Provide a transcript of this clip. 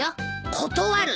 断る！